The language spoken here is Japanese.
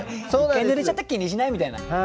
一回濡れちゃったら気にしないみたいな。